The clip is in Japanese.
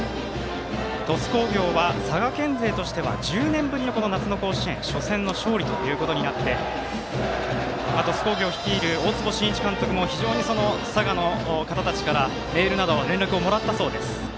鳥栖工業は佐賀県勢としては１０年ぶりの夏の甲子園初戦の勝利となって鳥栖工業率いる大坪慎一監督も非常に佐賀の方たちからメールなどの連絡をもらったそうです。